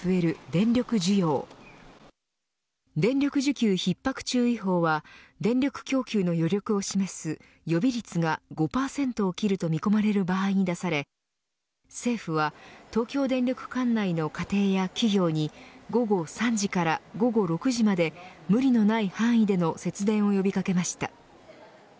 電力需給ひっ迫注意報は電力供給の余力を示す予備率が５％を切ると見込まれる場合に出され政府は東京電力管内の家庭や企業に午後３時から午後６時まで無理のない範囲での節電を呼び掛けました。